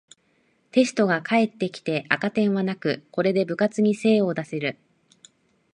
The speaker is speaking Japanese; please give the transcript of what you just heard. テストが返ってきて赤点はなく、これで部活に精を出せる